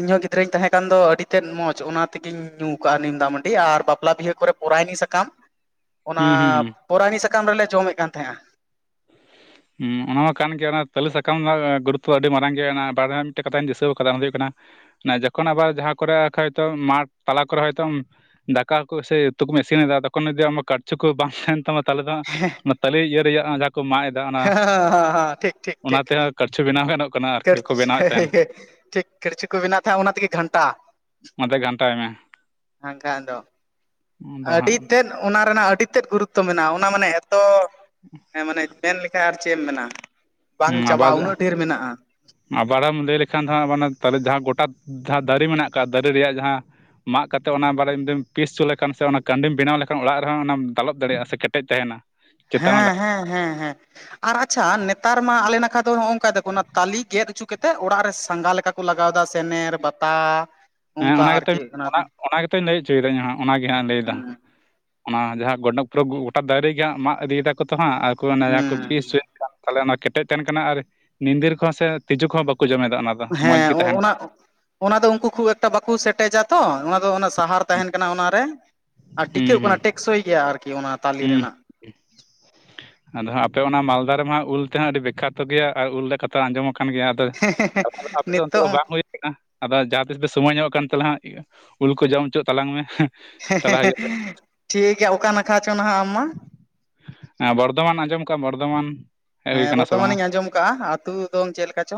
ᱤᱧ ᱦᱚᱸ ᱜᱤᱫᱽᱨᱟᱹᱧ ᱛᱟᱦᱮᱸ ᱠᱟᱱ ᱫᱚ ᱟᱹᱰᱤ ᱛᱮᱫ ᱢᱚᱡᱽ ᱚᱱᱟ᱾ ᱛᱮᱜᱤᱧ ᱧᱩ ᱠᱟᱜ-ᱟ ᱱᱤᱢ ᱫᱟᱜ ᱢᱟᱹᱰᱤ ᱟᱨ ᱵᱟᱯᱞᱟ ᱵᱤᱦᱟᱹ ᱠᱚᱨᱮ ᱯᱚᱨᱟᱭᱱᱤ ᱥᱟᱠᱟᱢ ᱚᱱᱟ ᱦᱩᱸ ᱦᱩᱸ ᱦᱩᱸ ᱯᱚᱨᱟᱭᱱᱤ ᱥᱟᱠᱟᱢ ᱨᱮᱞᱮ ᱡᱚᱢᱮᱫ ᱠᱟᱱ ᱛᱟᱦᱮᱸᱼᱟ ᱾ ᱦᱩᱸ ᱚᱱᱟ ᱦᱚᱸ ᱠᱟᱱ ᱜᱮᱭᱟ ᱚᱱᱟ ᱛᱟᱹᱞᱮ ᱥᱟᱠᱟᱢ ᱨᱮᱱᱟᱜ ᱜᱩᱨᱩᱛᱚ ᱟᱹᱰᱤ ᱢᱟᱨᱟᱝ ᱜᱮ ᱢᱮᱱᱟᱜ ᱵᱟᱨ ᱫᱷᱟ ᱢᱤᱫᱴᱮᱱ ᱠᱟᱛᱷᱟᱧ ᱫᱤᱥᱟᱹᱣ ᱠᱟᱫᱟ ᱚᱱᱟ ᱫᱚ ᱦᱩᱭᱩᱜ ᱠᱟᱱᱟ ᱾ ᱱᱚᱜᱼᱚᱭ ᱡᱚᱠᱷᱚᱱ ᱟᱵᱟᱨ ᱡᱟᱦᱟᱸ ᱠᱚᱨᱮ ᱠᱷᱟᱡ ᱫᱚ ᱢᱟᱜᱷ ᱛᱟᱞᱟ ᱠᱚᱨᱮ ᱦᱚᱭ ᱛᱚᱢ ᱫᱟᱠᱟ ᱠᱚ ᱥᱮ ᱩᱛᱩ ᱠᱚᱢ ᱤᱥᱤᱱ ᱮᱫᱟ ᱛᱚᱠᱷᱚᱱᱚᱫᱤ ᱟᱢᱠ ᱠᱟᱲᱪᱩ ᱠᱚ ᱵᱟᱝ ᱛᱟᱦᱮᱱ ᱛᱟᱢᱟ ᱾ ᱛᱟᱦᱚᱞᱮ ᱫᱚ ᱦᱟᱸᱜ ᱚᱱᱟ ᱛᱟᱹᱞᱮ ᱤᱭᱟᱹ ᱨᱮᱭᱟᱜ ᱡᱟᱦᱟᱸ ᱠᱚ ᱢᱟᱜ ᱮᱫᱟ ᱾ ᱦᱮᱸᱸ ᱦᱮᱸ ᱦᱸ ᱴᱷᱤᱠ ᱴᱷᱤᱠ ᱴᱷᱤᱠ ᱾ ᱠᱲᱪᱷᱩ ᱵᱮᱱᱟᱣ ᱜᱟᱱᱚᱜ ᱾ ᱠᱷᱲᱪ ᱦᱮ ᱦᱮ ᱦᱮ ᱴᱷᱤᱠ ᱠᱷᱲᱪᱷᱩ ᱠᱚ ᱵᱮᱱᱟᱣ ᱛᱟᱦᱮᱸᱫ ᱚᱱᱟ ᱛᱤᱜᱤ ᱜᱷᱟᱱᱴᱟ ᱾ ᱚᱱᱟᱛᱮ ᱜᱷᱟᱱᱴᱟᱭ ᱢᱮ ᱾ ᱵᱟᱝᱠᱷᱟᱱ ᱫᱚ ᱟᱫᱚ ᱟᱹᱰᱤ ᱛᱮᱫ ᱚᱱᱟ ᱨᱮᱱᱟᱜ ᱟᱹᱰᱤ ᱛᱮᱫ ᱜᱩᱨᱩᱛᱚ ᱢᱮᱱᱟᱜ-ᱟ ᱚᱱᱟ ᱢᱟᱱᱮ ᱾ ᱛᱚ ᱦᱮᱸ ᱢᱟᱱᱮ ᱢᱮᱱ ᱞᱮᱠᱷᱟᱱ ᱟᱨ ᱪᱮᱫ ᱮᱢ ᱢᱮᱱᱟ ᱵᱟᱝ ᱪᱟᱵᱟᱜ-ᱟ ᱩᱱᱟᱹᱜ ᱰᱷᱮᱨ ᱢᱮᱱᱟᱜ-ᱟ ᱾ ᱟᱵᱟᱨᱢ ᱞᱟᱹᱭ ᱞᱮᱠᱷᱟᱱ ᱫᱚ ᱦᱟᱸᱜ ᱢᱟᱱᱮ ᱛᱟᱞᱮ ᱡᱟᱦᱟᱸ ᱜᱚᱴᱟ ᱡᱟᱦᱟᱸ ᱫᱟᱨᱮ ᱢᱮᱱᱟᱜ ᱟᱠᱟᱫ ᱫᱟᱨᱮ ᱨᱮᱭᱟᱜ ᱡᱟᱦᱟᱸ ᱢᱟᱜ ᱠᱟᱛᱮ ᱚᱱᱟ ᱵᱟᱨᱮᱢ ᱡᱩᱫᱤᱢ ᱯᱤᱥ ᱦᱚᱪᱚ ᱞᱮᱠᱟᱱ ᱥᱮ ᱚᱱᱟ ᱠᱟᱱᱰᱤᱢ ᱵᱮᱱᱟᱣ ᱞᱮᱠᱷᱟᱱ ᱚᱲᱟᱜ ᱨᱮᱦᱚᱸ ᱚᱱᱟᱢ ᱫᱟᱞᱚᱵ ᱫᱟᱲᱮᱭᱟᱜ-ᱟ ᱥᱮ ᱠᱮᱴᱮᱡ ᱛᱟᱦᱮᱱᱟ ᱾ ᱦᱮᱸ ᱦᱮᱸ ᱦᱮᱸ ᱦᱮᱸ ᱾ ᱟᱨ ᱟᱪᱪᱷᱟ ᱱᱮᱛᱟᱨ ᱢᱟ ᱟᱞᱮ ᱱᱟᱠᱷᱟ ᱫᱚ ᱱᱚᱜᱼᱚᱭ ᱱᱚᱝᱠᱟ ᱫᱟᱠᱚ ᱚᱱᱟ ᱛᱟᱞᱮ ᱜᱮᱫ ᱚᱪᱩ ᱠᱟᱛᱮ ᱚᱲᱟᱜ ᱨᱮ ᱥᱟᱸᱜᱷᱟ ᱞᱮᱠᱟ ᱠᱚ ᱞᱟᱜᱟᱣᱫᱟ ᱥᱮᱱᱮᱨ ᱵᱟᱛᱟ ᱾ ᱦᱮᱸ ᱚᱱᱟ ᱜᱤᱛᱚᱧ ᱚᱱᱟ ᱜᱤᱛᱚᱧ ᱞᱟᱹᱭ ᱦᱚᱪᱚᱭᱮᱫᱟ ᱤᱧᱦᱚᱸ ᱚᱱᱟᱜᱮ ᱦᱟᱸᱜ ᱞᱟᱹᱭᱫᱟ ᱾ ᱚᱱᱟ ᱡᱟᱦᱟᱸ ᱜᱚᱸᱰᱯᱩᱨᱟᱹᱜᱩ ᱜᱚᱴᱟ ᱫᱟᱨᱮ ᱜᱮ ᱦᱟᱸᱜ ᱢᱟᱜ ᱤᱫᱤᱭ ᱫᱟᱠᱚ ᱛᱚ ᱦᱟᱸᱜ ᱟᱨ ᱚᱱᱟ ᱡᱟᱦᱟᱸ ᱠᱚ ᱦᱩᱸ ᱯᱤᱥ ᱦᱚᱪᱚᱭᱮᱫ ᱾ ᱛᱟᱦᱚᱞᱮ ᱚᱱᱟ ᱠᱮᱴᱮᱡ ᱛᱟᱦᱮᱱ ᱠᱟᱱᱟ ᱟᱨ ᱧᱤᱫᱤᱨ ᱠᱚᱦᱚᱸ ᱥᱮ ᱛᱤᱡᱩ ᱠᱚᱦᱚᱸ ᱵᱟᱠᱚ ᱡᱚᱢᱮᱫᱟ ᱚᱱᱟ ᱫᱚ ᱾ ᱦᱮᱸ ᱚᱸ ᱚᱱᱟ ᱾ ᱚᱱᱟ ᱫᱚ ᱩᱱᱠᱩ ᱠᱷᱩᱵ ᱮᱠᱴᱟ ᱵᱟᱠᱚ ᱥᱮᱴᱮᱡᱟ ᱛᱚ ᱚᱱᱟ ᱫᱚ ᱚᱱᱟ ᱥᱟᱦᱟᱨ ᱛᱟᱦᱮᱱ ᱠᱟᱱᱟ ᱚᱱᱟᱨᱮ ᱾ ᱟᱨ ᱦᱩᱸ ᱴᱤᱠᱟᱹᱜ ᱠᱟᱱᱟ ᱴᱮᱠᱥᱚᱭ ᱜᱮᱭᱟ ᱟᱨᱠᱤ ᱚᱱᱟ ᱾ ᱦᱩᱸ ᱦᱩᱸ ᱾ [inaudible] ᱟᱫᱚ ᱦᱟᱸᱜ ᱟᱯᱮ ᱚᱱᱟ ᱢᱟᱞᱫᱟ ᱨᱮᱢᱟᱜ ᱩᱞ ᱛᱮᱦᱟᱸᱜ ᱟᱹᱰᱤ ᱵᱤᱠᱷᱟᱛᱚ ᱜᱮᱭᱟ ᱟᱨ ᱩᱞ ᱨᱮᱭᱟᱜ ᱠᱟᱛᱷᱟ ᱟᱸᱡᱚᱢᱟ ᱟᱠᱟᱱ ᱜᱮᱭᱟ ᱟᱫᱚ ᱯᱮ ᱱᱤᱛᱚᱜ ᱫᱚ [unintelligible] ᱵᱟᱝ ᱦᱩᱭ ᱟᱫᱚ ᱡᱟᱦᱟᱸ ᱛᱤᱥ ᱯᱮ ᱥᱚᱢᱚᱭ ᱧᱚᱜ ᱠᱟᱱ ᱛᱟᱞᱦᱟᱝ ᱦᱟᱸᱜ ᱩᱞ ᱠᱚ ᱡᱚᱢ ᱦᱚᱪᱚ ᱛᱟᱞᱟᱝ ᱢᱮ᱾ ᱦᱮᱸ ᱦᱮᱸ ᱪᱟᱞᱟᱜ ᱦᱮᱸ ᱴᱷᱤᱠ ᱜᱮᱭᱟ ᱚᱠᱟ ᱱᱟᱠᱷᱟ ᱪᱚ ᱱᱟᱦᱟᱜ ᱟᱢ ᱢᱟ? ᱦᱮᱸ ᱵᱚᱨᱫᱷᱚᱢᱟᱱ, ᱟᱸᱡᱚᱢ ᱟᱠᱟᱟᱢ ᱵᱚᱨᱫᱷᱚᱢᱟᱱ,? ᱦᱮᱡ ᱦᱩᱭ ᱦᱮᱸ ᱠᱟᱱᱟ ᱥᱮ ᱵᱟᱝᱟ ᱵᱚᱨᱫᱷᱚᱢᱟᱱ ᱤᱧ ᱟᱸᱡᱚᱢ ᱠᱟᱜ-ᱟ ᱟ ᱟᱹᱛᱩ ᱫᱚ ᱪᱮᱫ ᱞᱮᱠᱟ ᱪᱚ?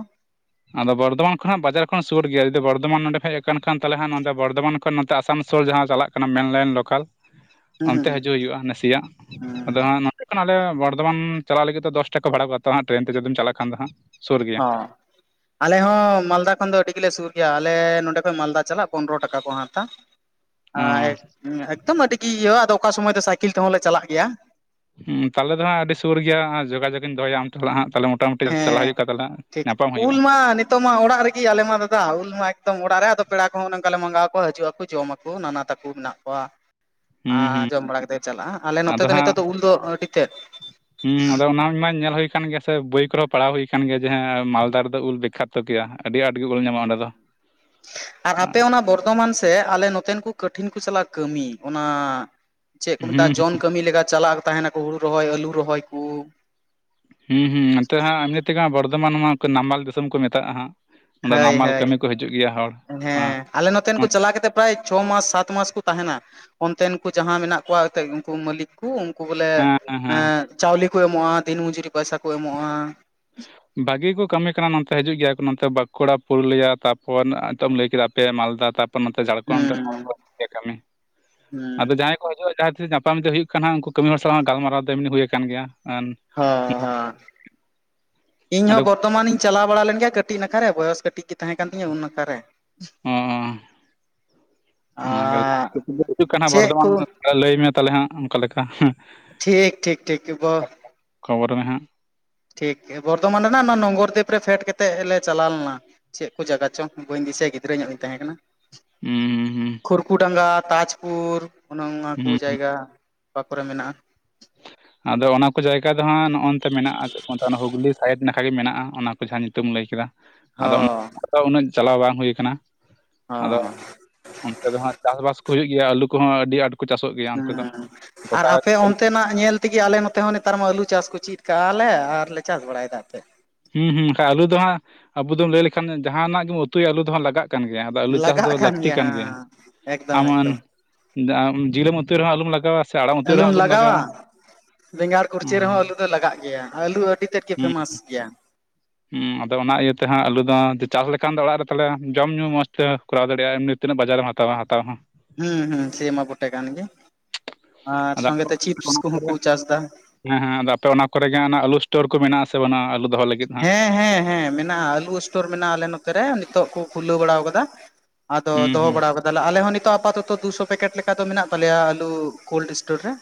ᱟᱫᱚ ᱵᱚᱨᱫᱷᱟᱢᱟᱱ, ᱠᱷᱱᱟᱜ ᱵᱟᱡᱟᱨ ᱠᱷᱚᱱ ᱥᱩᱨ ᱜᱮᱭᱟ ᱡᱩᱫᱤ ᱵᱚᱨᱫᱷᱟᱢᱟᱱ ᱱᱚᱰᱮ ᱦᱮᱡ ᱟᱠᱟᱱ ᱛᱟᱦᱮᱞᱮ ᱱᱚᱸᱰᱮ ᱵᱚᱨᱫᱷᱟᱢᱟᱱ ᱠᱷᱚᱱ ᱱᱚᱛᱮ ᱟᱥᱟᱱᱥᱚᱞ ᱡᱟᱦᱟᱸ ᱪᱟᱞᱟᱜ ᱠᱟᱱᱟ ᱢᱮᱱᱞᱟᱭᱤᱱ ᱞᱚᱠᱟᱞ᱾ [inaudible] ᱚᱱᱛᱮ ᱦᱤᱡᱩᱜ ᱦᱩᱭᱩᱜ-ᱟ ᱱᱟᱥᱮᱭᱟᱜ᱾ ᱦᱩᱸ ᱟᱫᱚ ᱦᱩᱸ ᱦᱟᱸᱜ [unintelligible] ᱦᱩᱭᱩᱜ ᱠᱟᱱᱟ ᱟᱞᱮ ᱵᱚᱨᱫᱷᱚᱢᱟᱱ, ᱪᱟᱞᱟᱜ ᱞᱟᱹᱜᱤᱫ ᱫᱚᱥ ᱴᱟᱠᱟ ᱠᱚ ᱵᱷᱟᱲᱟ ᱠᱚ ᱦᱟᱸᱜ ᱴᱨᱮᱱ ᱛᱮ ᱡᱩᱫᱤᱢ ᱪᱟᱞᱟᱜ ᱠᱷᱟᱱ ᱫᱚ ᱱᱦᱟᱸᱜ᱾ ᱦᱚᱸ ᱟᱞᱮ ᱦᱚᱸ ᱢᱟᱞᱫᱟ ᱠᱷᱚᱱ ᱫᱚ ᱟᱹᱰᱤ ᱜᱮᱞᱮ ᱥᱩᱨ ᱜᱮᱭᱟ ᱟᱞᱮ ᱱᱚᱸᱰᱮ ᱠᱷᱚᱱ ᱢᱟᱞᱫᱟ ᱪᱟᱞᱟᱜ ᱯᱚᱱᱨᱚ ᱴᱟᱠᱟ ᱠᱚ ᱦᱟᱛᱟ᱾ ᱚᱸ ᱻᱮᱠᱫᱚᱢ ᱟᱹᱰᱤ ᱜᱮ ᱤᱭᱟᱹ ᱟᱫᱚ ᱚᱠᱟ ᱥᱚᱢᱚᱭ ᱫᱚ ᱥᱟᱭᱠᱮᱞ ᱛᱮᱦᱚᱸ ᱞᱮ ᱪᱟᱞᱟᱜ ᱜᱮᱭᱟ᱾ ᱦᱩᱸ ᱛᱟᱦᱮ ᱫᱚ ᱦᱟᱸᱜ ᱟᱹᱰᱤ ᱥᱩᱨ ᱜᱮᱭᱟ ᱡᱳᱜᱟᱡᱳᱜ ᱤᱧ ᱫᱚᱦᱚᱭᱟ ᱟᱢ ᱥᱟᱞᱟᱜ ᱱᱟᱸᱜ ᱛᱟᱦᱚᱞᱮ ᱢᱚᱴᱟᱢᱩᱴᱤ ᱪᱟᱞᱟᱜ ᱦᱮᱸ ᱦᱩᱭᱩᱜ ᱠᱷᱟᱱ ᱛᱟᱦᱚᱞᱮ ᱴᱷᱤᱠ ᱧᱟᱯᱟᱢ ᱩᱞ ᱦᱩᱭᱩᱜ-ᱟ᱾ ᱢᱟ ᱱᱤᱛᱚᱜ ᱢᱟ ᱚᱲᱟᱜ ᱨᱮᱜᱮ ᱟᱞᱮ ᱢᱟ ᱫᱟᱫᱟ ᱩᱞ ᱢᱟ ᱮᱠᱫᱚᱢ ᱚᱲᱟᱜ ᱨᱮ ᱟᱫᱚ ᱯᱮᱲᱟ ᱠᱚᱦᱚᱸ ᱱᱚᱝᱠᱟ ᱞᱮ ᱢᱟᱸᱜᱟᱣᱠᱚ ᱦᱤᱡᱩᱜ ᱟᱠᱚ ᱡᱚᱢ ᱟᱠᱚ᱾ ᱠᱤ ᱱᱟᱱᱟ ᱛᱟᱠᱚ ᱢᱮᱱᱟᱜ ᱠᱚᱣᱟ᱾ ᱦᱩᱸ ᱟᱨ ᱦᱩᱸ ᱡᱚᱢ ᱵᱟᱲᱟ ᱠᱟᱛᱮᱫ ᱪᱟᱞᱟᱜ-ᱟ᱾ ᱟᱞᱮ ᱱᱚᱛᱮ ᱟᱫᱚ ᱫᱚ ᱦᱟᱸᱜ ᱱᱤᱛᱚᱜ ᱫᱚ ᱩᱞ ᱫᱚ ᱟᱹᱰᱤ ᱛᱮᱫ ᱦᱩᱸ ᱟᱫᱚ ᱚᱱᱟ ᱢᱟᱧ ᱧᱮᱞ ᱦᱩᱭ ᱠᱟᱱᱟᱱ ᱜᱮᱭᱟ ᱥᱮ ᱵᱳᱭ ᱠᱚᱨᱮᱦᱚᱸ ᱯᱟᱲᱦᱟᱣ ᱦᱩᱭ ᱠᱟᱱ ᱜᱮᱭᱟ ᱡᱮ ᱢᱟᱞᱫᱟ ᱨᱮᱫᱚ ᱩᱞ ᱵᱤᱠᱠᱷᱟᱛᱚ ᱜᱮᱮᱭᱟ ᱟᱹᱰᱤ ᱟᱴ ᱟᱨ ᱟᱯᱮ ᱦᱩᱸ ᱚᱱᱟ ᱵᱚᱨᱫᱷᱚᱢᱟᱱ ᱥᱮ ᱟᱞᱮ ᱱᱚ ᱡᱚᱛᱮᱱ ᱠᱚ ᱠᱚᱴᱷᱤᱱ ᱠᱚ ᱪᱟᱞᱟᱜ ᱠᱟᱹᱢᱤ ᱚᱱᱟ ᱪᱮᱫ ᱠᱚ ᱦᱩᱸ ᱢᱮᱛᱟᱜ-ᱟ ᱡᱚᱱ ᱠᱟᱹᱢᱤ ᱞᱮᱠᱟ ᱪᱟᱞᱟᱜ ᱛᱟᱦᱮᱱᱟ ᱦᱩᱲᱩ ᱨᱚᱦᱚᱭ ᱟᱹᱞᱩ ᱨᱚᱦᱚᱭ ᱠᱩ ᱦᱩᱸ ᱦᱩᱸ ᱱᱚᱛᱮ ᱦᱟᱸᱜ ᱮᱢᱱᱤ ᱛᱮᱜᱮ ᱵᱚᱨᱫᱷᱚᱢᱟᱱ ᱢᱟ ᱱᱟᱢᱟᱞ ᱫᱤᱥᱚᱢ ᱠᱚ ᱢᱮᱛᱟᱜ-ᱟ ᱦᱟᱸᱜ ᱚᱸᱰᱮ ᱦᱳᱭ ᱱᱟᱢᱟᱞ ᱦᱳᱭ ᱠᱟᱹᱢᱤ ᱠᱚ ᱦᱤᱡᱩᱜ ᱜᱮᱭᱟ ᱦᱚᱲ ᱟᱸ ᱦᱮᱸ ᱟᱞᱮ ᱱᱚᱛᱮᱱ ᱠᱚ ᱱᱚᱛᱮ ᱪᱟᱞᱟᱣ ᱠᱟᱛᱮ ᱯᱨᱟᱭ ᱪᱷᱚ ᱢᱟᱥ ᱥᱟᱛ ᱢᱟᱥ ᱠᱚ ᱛᱟᱦᱮᱱᱟ ᱚᱱᱛᱮᱱ ᱠᱚ ᱡᱟᱦᱟᱸ ᱢᱮᱱᱟᱜ ᱠᱚᱣᱟ ᱮᱱᱛᱮᱫ ᱩᱱᱠᱩ ᱢᱟᱹᱞᱤᱠ ᱩᱱᱠᱩ ᱵᱚᱞᱮ ᱦᱮᱸ ᱦᱮᱸ ᱮᱜ ᱪᱟᱣᱞᱮ ᱠᱚ ᱮᱢᱚᱜ-ᱟ ᱫᱤᱱ ᱢᱚᱡᱩᱨᱤ ᱯᱚᱭᱥᱟ ᱠᱚ ᱮᱢᱚᱜ-ᱟ᱾ ᱵᱷᱟᱹᱜᱮ ᱠᱚ ᱠᱟᱹᱢᱤ ᱠᱟᱱᱟ ᱱᱚᱛᱮ ᱦᱤᱡᱩᱜ ᱜᱮᱭᱟ ᱠᱚ ᱱᱚᱛᱮ ᱵᱟᱸᱠᱩᱲᱟ ᱯᱩᱨᱩᱞᱤᱭᱟ ᱛᱟᱯᱚᱨ ᱱᱤᱛᱚᱜ ᱮᱢ ᱞᱟᱹᱭ ᱠᱮᱫᱟ ᱯᱮ ᱢᱟᱞᱫᱟ ᱛᱟ ᱯᱚᱨ ᱱᱚᱛᱮ ᱡᱷᱟᱲᱠᱷᱚᱱᱰ ᱦᱩᱸ ᱦᱚᱲ ᱠᱟᱹᱢᱤ ᱦᱩᱸ ᱟᱫᱚ ᱡᱟᱦᱟᱭ ᱠᱚ ᱦᱤᱡᱩᱜ-ᱟ ᱡᱟᱦᱟᱸ ᱛᱤᱥ ᱧᱟᱯᱟᱢ ᱫᱤ ᱦᱩᱭᱩᱜ ᱠᱟᱱᱟᱜ ᱩᱱᱠᱩ ᱠᱟᱹᱢᱤ ᱦᱚᱲ ᱥᱟᱞᱟᱜ ᱜᱟᱞᱢᱟᱨᱟᱣ ᱫᱚ ᱮᱢᱱᱤ ᱦᱩᱭ ᱠᱟᱱ ᱜᱮᱭᱟ᱾ ᱦᱮ ᱦᱮᱸ ᱤᱧ ᱦᱚᱸ ᱟᱫᱚ ᱵᱚᱨᱫᱷᱚᱢᱟᱱᱤᱧ ᱪᱟᱞᱟᱣ ᱵᱟᱲᱟ ᱞᱮᱱ ᱜᱮᱭᱟ ᱠᱟᱹᱴᱤᱡ ᱱᱟᱠᱟ ᱨᱮ ᱵᱚᱭᱚᱥ ᱠᱟᱹᱴᱤᱡ ᱜᱮ ᱛᱟᱦᱮᱸ ᱠᱟᱱ ᱛᱤᱧᱟᱹ ᱩᱱ ᱱᱟᱠᱷᱟᱨᱮ ᱚᱱᱟᱜ ᱦᱤᱡᱩᱜ ᱠᱟᱱᱟ ᱪᱮᱫ ᱠᱚ ᱵᱚᱨᱫᱷᱚᱢᱟᱱ ᱞᱟᱹᱭ ᱢᱮ ᱛᱟᱦᱚᱞᱮ ᱦᱟᱸᱜ ᱚᱱᱠᱟ ᱞᱮᱠᱟ ᱴᱷᱤᱠ ᱴᱷᱤᱠ ᱴᱷᱤᱠ ᱵᱟ ᱠᱷᱚᱵᱚᱨ ᱢᱮᱦᱟᱸᱜ? ᱴᱷᱤᱠ ᱵᱚᱨᱫᱷᱚᱢᱟᱱ ᱨᱮ ᱨᱮᱱᱟᱜ ᱚᱱᱟ ᱱᱚᱝᱜᱚᱨᱫᱤᱯ ᱨᱮ ᱯᱷᱮᱰ ᱠᱟ ᱠᱟᱛᱮᱫ ᱞᱮ ᱪᱟᱞᱟᱣ ᱞᱮᱱᱟ᱾ ᱪᱮᱫ ᱠᱚ ᱡᱟᱭᱜᱟ ᱪᱚᱝ ᱵᱟᱹᱧ ᱫᱤᱥᱟᱹᱭᱟ ᱜᱤᱫᱽᱨᱟᱹ ᱧᱚᱜ ᱤᱧ ᱛᱟᱦᱮᱸ ᱠᱟᱱᱟ᱾ ᱦᱮᱸ ᱠᱷᱩᱨᱠᱩᱰᱟᱸᱜᱟ ᱛᱟᱡᱽᱯᱩᱨ ᱚᱱᱮ ᱚᱱᱟ ᱦᱩᱸ ᱠᱚ ᱦᱩᱸ ᱡᱟᱭᱜᱟ ᱚᱠᱟ ᱠᱚᱨᱮ ᱢᱮᱱᱟᱜ-ᱟ [inaudible] ᱟᱫᱚ ᱚᱱᱟ ᱠᱚ ᱡᱟᱭᱜᱟ ᱫᱚ ᱦᱟᱸᱜ ᱱᱚᱜ ᱱᱚᱛᱮ ᱢᱮᱱᱟᱜ-ᱟ ᱪᱮᱫ ᱠᱚ ᱢᱮᱛ ᱦᱩᱜᱞᱤ ᱥᱟᱭᱤᱰ ᱞᱮᱠᱷᱟ ᱜᱮ ᱢᱮᱱᱟᱜ-ᱟ ᱚᱱᱟ ᱠᱚ ᱡᱟᱦᱟᱸ ᱧᱩᱛᱩᱢ ᱞᱟᱹᱭ ᱠᱮᱫᱟ᱾ ᱟᱫᱚ ᱚᱱᱟ ᱦᱚᱸ ᱩᱱᱟᱹᱜ ᱪᱟᱞᱟᱣ ᱵᱟᱝ ᱦᱩᱭ ᱠᱟᱱᱟ ᱟᱫᱚ ᱦᱚᱸ ᱚᱱᱛᱮ ᱫᱚ ᱦᱟᱜ ᱪᱟᱥᱵᱟᱥ ᱠᱚ ᱦᱩᱭᱩᱜ ᱜᱮᱭᱟ ᱟᱞᱩ ᱠᱚᱦᱚᱸ ᱟᱹᱰᱤ ᱟᱴ ᱦᱮᱸ ᱟᱨ ᱟᱯᱮ ᱚᱱᱛᱮᱱᱟᱜ ᱧᱮᱞ ᱚᱱᱟ ᱛᱮᱜᱮ ᱟᱞᱮ ᱱᱚᱛᱮ ᱦᱚᱸ ᱱᱮᱛᱟᱨ ᱢᱟ ᱟᱹᱞᱩ ᱪᱟᱥ ᱠᱚ ᱪᱮᱫ ᱠᱟᱜ-ᱟ ᱞᱮ ᱟᱨᱞᱮ ᱪᱟᱥ ᱵᱟᱲᱟᱭᱮ᱾ ᱦᱩᱸ ᱦᱩᱸ ᱟᱠᱷᱟᱱ ᱟᱞᱩ ᱫᱚ ᱦᱟᱸᱜ ᱟᱵᱚ ᱫᱚᱢ ᱞᱟᱹᱭ ᱞᱮᱠᱷᱟᱱ ᱡᱟᱦᱱᱟᱜ ᱜᱮᱢ ᱩᱛᱩᱭᱟ ᱟᱩ ᱦᱟᱸᱜ ᱞᱟᱜ ᱠᱟᱱ ᱜᱮᱭᱟ ᱟᱫᱚ ᱟᱹᱞᱩ ᱪᱟᱥ ᱫᱚ ᱞᱟᱹᱠᱛᱤ ᱠᱟᱱ ᱜᱮᱭᱟ᱾ ᱮᱠᱫᱚᱢ ᱮᱢᱚᱱ ᱮᱠᱫᱚᱢ ᱟᱢ ᱡᱤᱞᱮᱢ ᱩᱛᱩᱭ ᱨᱮᱦᱚᱸ ᱟᱞᱩᱢ ᱞᱟᱜᱟᱣᱟ, ᱥᱮ ᱟᱲᱟᱜ ᱩᱛᱩᱭ ᱨᱮᱦᱚᱸ ᱟᱞᱩᱢ ᱟᱞᱚᱢ ᱞᱟᱜᱟᱣᱟ, ᱵᱮᱸᱜᱟᱲ ᱦᱩᱸ ᱠᱩᱲᱪᱟᱹ ᱨᱮᱦᱚᱸ ᱟᱞᱩ ᱫᱚ ᱞᱟᱜᱟᱜ ᱜᱮᱭᱟ ᱟᱞᱩ ᱟᱹᱰᱤ ᱛᱮᱫ ᱜᱮ ᱦᱩᱸ ᱯᱷᱮᱢᱟᱥ ᱜᱮᱭᱟ, ᱦᱩᱸ ᱟᱫᱚ ᱚᱱᱟ ᱤᱭᱟᱹᱛᱮ ᱦᱟᱸᱜ ᱟᱞᱩ ᱫᱚ ᱪᱟᱥ ᱞᱮᱠᱷᱟᱱ ᱫᱚ ᱚᱲᱟᱜ ᱨᱮ ᱛᱟᱦᱚᱞᱮ ᱡᱚᱢ ᱧᱩ ᱢᱚᱡᱽ ᱛᱮ ᱠᱚᱨᱟᱣ ᱫᱟᱲᱮᱭᱟᱜᱼᱟ ᱮᱢᱱᱤ, ᱛᱤᱱᱟᱹᱜ ᱵᱟᱡᱟᱨᱮᱢ ᱦᱟᱛᱟᱣᱟ ᱦᱟᱣᱟ ᱦᱚᱸ, ᱦᱩᱸ ᱦᱩᱸ ᱥᱮ ᱢᱟ ᱵᱚᱴᱮ ᱠᱟᱱ ᱜᱮ ᱟᱫᱚ ᱟᱯᱮ ᱚᱱᱟ ᱟᱨ ᱥᱚᱸᱜᱮ ᱛᱮ ᱪᱤᱯᱥ ᱠᱚᱦᱚᱸ ᱠᱚᱨᱮ ᱠᱚ ᱪᱟᱥ ᱮᱫᱟ, ᱦᱮᱸ ᱦᱮᱸ ᱟᱫᱚ ᱟᱯᱮ ᱚᱱᱟ ᱠᱚᱨᱮᱜ ᱦᱟᱸᱜ ᱚᱱᱟ ᱟᱞᱩ ᱥᱴᱳᱨ ᱠᱚ ᱢᱮᱱᱟᱜᱼᱟ ᱥᱮ ᱵᱟᱱᱩᱩᱜᱼᱟ ᱟᱞᱩ ᱫᱚᱦᱚ ᱞᱟᱹᱜᱤᱫ ᱦᱟᱸᱜ, ᱦᱮᱸ ᱦᱮᱸ ᱢᱮᱱᱟᱜᱼᱟ ᱟᱞᱩ ᱥᱴᱳᱨ ᱢᱮᱱᱟᱜᱼᱟ ᱟᱞᱮ ᱱᱚᱛᱮ ᱨᱮ ᱱᱤᱛᱚᱜ ᱠᱚ ᱠᱷᱩᱞᱟᱹᱣ ᱵᱟᱲᱟ ᱠᱟᱫᱟ, ᱟᱫᱚ ᱦᱩᱸ ᱫᱚᱦᱚ ᱦᱩᱸ ᱵᱟᱲᱟᱣ ᱠᱟᱫ ᱛᱟᱦᱞᱮ ᱟᱞᱮ ᱦᱚᱸ ᱱᱤᱛᱚᱜ ᱟᱯᱟᱛᱚᱛᱚ ᱫᱩᱥᱚ ᱯᱮᱠᱮᱴ ᱞᱮᱠᱟ ᱫᱚ ᱢᱮᱱᱟᱜ ᱛᱟᱞᱮᱭᱟ ᱟᱞᱩ ᱠᱳᱞᱰ ᱥᱴᱳᱨ ᱨᱮ,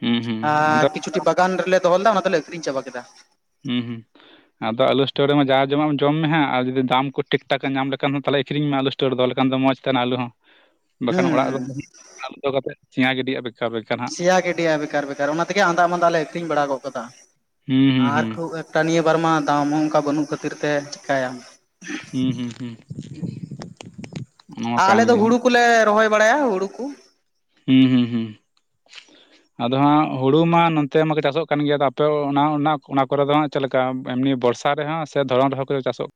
ᱦᱩᱸ ᱦᱩᱸ ᱟᱨ ᱟᱫᱚ ᱠᱤᱪᱷᱩᱴᱤ ᱵᱟᱜᱟᱱ ᱨᱮᱞᱮ ᱫᱚᱦᱚ ᱞᱮᱫᱟ ᱚᱱᱟ ᱫᱚᱞᱮ ᱟᱠᱷᱨᱤᱧ ᱪᱟᱵᱟ ᱠᱮᱫᱟ, ᱦᱩᱸ ᱦᱩᱸ᱾ ᱟᱫᱚ ᱟᱞᱩ ᱥᱴᱳᱨᱮ ᱡᱟᱸ ᱡᱚᱢᱟᱜ ᱡᱚᱢ ᱢᱮ ᱦᱟᱜ ᱟᱨ ᱡᱩᱫᱤ ᱫᱟᱢ ᱴᱤᱠ ᱴᱷᱟᱠ ᱧᱟᱢ ᱞᱮᱠᱷᱟᱱ ᱛᱚᱞᱮ ᱟᱠᱷᱨᱤᱧ ᱢᱮ ᱟᱞᱩ ᱥᱴᱳᱨ ᱥᱴᱳᱨ ᱫᱚᱦᱚ ᱞᱮᱟᱱ ᱫᱚ ᱢᱚᱡᱽ ᱛᱟᱦᱮᱸᱱᱟ ᱟᱞᱩ ᱦᱚᱸ᱾ [unintelligible] ᱵᱟᱠᱷᱟᱱ ᱚᱲᱟᱜ ᱨᱮ ᱫᱚᱦᱚ ᱠᱟᱛᱮ ᱥᱮᱭᱟ ᱜᱤᱰᱤᱭᱟᱜ ᱵᱮᱠᱟᱨ ᱵᱮᱠᱟᱨ, ᱦᱟᱸᱜ ᱥᱮᱭᱟ ᱜᱤᱰᱤᱜ-ᱟ ᱵᱮᱠᱟᱨ ᱵᱮᱠᱟᱨ ᱚᱱᱟ ᱛᱮᱜᱮ ᱟᱸᱫᱟᱜ ᱢᱟᱸᱫᱟᱜ ᱞᱮ ᱟᱠᱷᱨᱤᱧ ᱵᱟᱲᱟ ᱜᱚᱫ ᱠᱟᱫᱟ ᱦᱩᱸ ᱦᱩᱸ ᱟᱨ ᱦᱩᱸ ᱠᱷᱩᱵ ᱟᱨ ᱮᱠ ᱛᱟ ᱱᱤᱭᱟᱹ ᱵᱟᱨ ᱢᱟ ᱫᱟᱢ ᱦᱟᱸ ᱚᱝᱠᱟ ᱵᱟᱹᱱᱩᱜ ᱠᱷᱟᱹᱛᱤᱨ ᱛᱮ ᱪᱤᱠᱟᱭᱟᱢ᱾ ᱦᱩᱸ ᱦᱩᱸ ᱦᱩᱸ ᱱᱚᱣᱟ ᱟ-ᱟᱞᱮ ᱠᱟᱱ ᱫᱚ ᱜᱮᱭᱟ ᱦᱩᱲᱩ ᱦᱟᱸᱜ ᱠᱚᱞᱮ ᱨᱚᱦᱚᱭ ᱵᱟᱲᱟᱭᱟ ᱦᱩᱲᱩ ᱠᱩ ᱦᱩᱸ ᱦᱩᱸ ᱦᱩᱸ [inaudible] ᱟᱫᱚ ᱦᱟᱸᱜ ᱦᱩᱲᱩ ᱢᱟ ᱱᱚᱛᱮ ᱢᱟᱠᱚ ᱪᱟᱥᱚᱜ ᱠᱟᱱ ᱜᱮᱭᱟ ᱟᱯᱮ ᱚᱱᱟ ᱚᱱᱟ ᱠᱚᱨᱮ ᱫᱚ ᱦᱟᱜ ᱪᱮᱜᱞᱮᱠ ᱠᱟᱵ ᱮᱢᱱᱤ ᱵᱚᱨᱥᱟ ᱨᱮᱦᱚᱸ ᱥᱮ ᱫᱷᱚᱨᱚᱱ ᱨᱮᱦᱚᱸ ᱠᱚ ᱪᱟᱥᱚᱜ